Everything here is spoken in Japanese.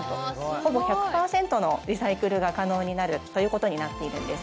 ほぼ１００％のリサイクルが可能になるということになっているんです。